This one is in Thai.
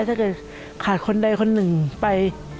ถ้าเกิดขาดคนใดคนหนึ่งไป